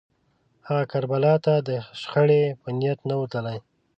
هغه کربلا ته د شخړې په نیت نه و تللی